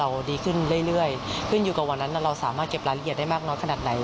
ดีขึ้นเรื่อยขึ้นอยู่กับวันนั้นเราสามารถเก็บรายละเอียดได้มากน้อยขนาดไหน